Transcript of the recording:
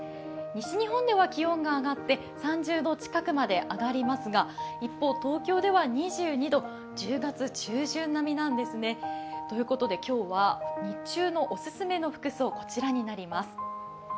西日本では気温が上がって３０度近くまで上がりますが一方、東京では２２度１０月中旬並みなんですね。ということで今日は日中のお勧めの服装、こちらになります。